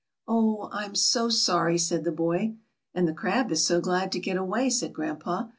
"Oh! I'm so sorry," said the boy. "And the crab is so glad to get away," said grandpa.